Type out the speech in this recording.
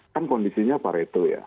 kan kondisinya pareto ya